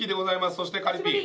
そしてカリピー。